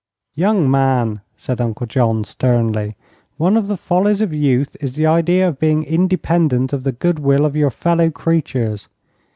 "Young man," said Uncle John, sternly, "one of the follies of youth is the idea of being independent of the good will of your fellow creatures.